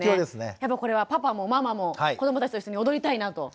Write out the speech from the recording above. やっぱりこれはパパもママも子どもたちと一緒に踊りたいなと。